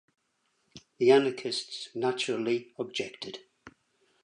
The anarchists naturally objected.